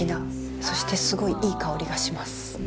そしてすごいいい香りがします。